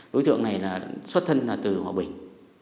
đối tượng này xuất thân từ họa bình